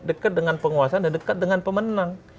dekat dengan penguasa dan dekat dengan pemenang